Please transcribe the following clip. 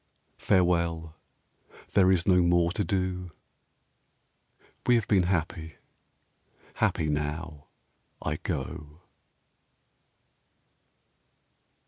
Farewell! There is no more to do. We have been happy. Happy now I go.